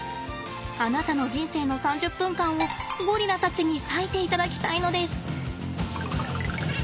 あなたの人生の３０分間をゴリラたちに割いていただきたいのです。